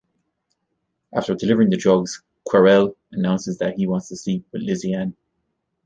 After delivering the drugs, Querelle announces that he wants to sleep with Lysiane.